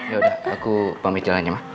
ya udah aku pamit jalannya mah